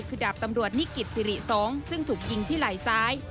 คือดาบตำรวจนิกิจสิริสงฆ์ซึ่งถูกยิงที่ไหล่ซ้าย